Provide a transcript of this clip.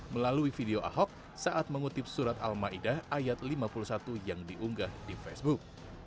melalui video ahok saat mengutip surat al ⁇ maidah ⁇ ayat lima puluh satu yang diunggah di facebook